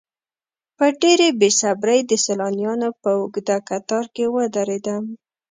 په ډېرې بې صبرۍ د سیلانیانو په اوږده کتار کې ودرېدم.